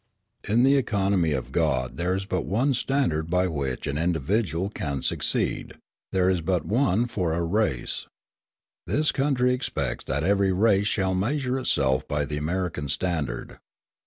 In the economy of God there is but one standard by which an individual can succeed: there is but one for a race. This country expects that every race shall measure itself by the American standard.